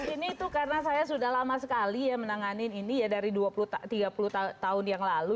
ini itu karena saya sudah lama sekali ya menanganin ini ya dari tiga puluh tahun yang lalu